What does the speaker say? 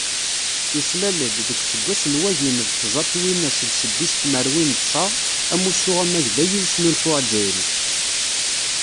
Yeslal-d, deg useggas n wagim d tẓa twinas d seddis tmerwin d ṣa, Amussu amagday i usnulfu azzayri.